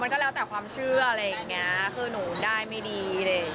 มันก็แล้วแต่ความเชื่อคือหนูได้ไม่ดี